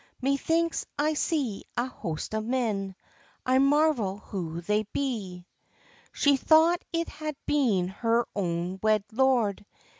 Methinks I see a host of men; I marvel who they be." She thought it had been her own wed lord.